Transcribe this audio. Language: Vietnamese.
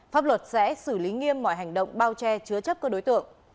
pháp luật sẽ xử lý nghiêm mọi hành động bao che chứa chấp các đối tượng